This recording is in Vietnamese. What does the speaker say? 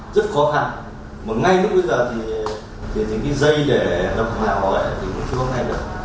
rất khó khăn mà ngay lúc bây giờ thì những cái dây để đồng hành nào bảo vệ thì cũng chưa có ngay được